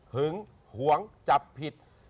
หึงหวงจับผิด